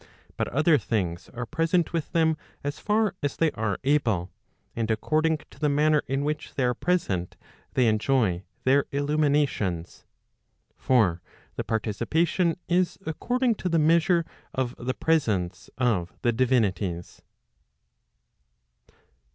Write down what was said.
But other things are present with them as far as they are able, and according to the manner in which they are present they enjoy their illuminations. For the parti¬ cipation is according to the measure of the presence of the divinities.